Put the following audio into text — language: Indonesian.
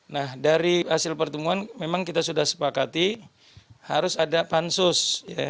nah dari hasil pertemuan memang kita sudah sepakati harus ada pansus